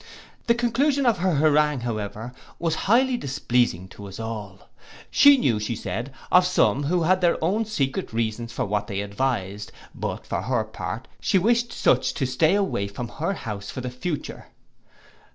The conclusion of her harangue, however, was highly displeasing to us all: she knew, she said, of some who had their own secret reasons for what they advised; but, for her part, she wished such to stay away from her house for the future.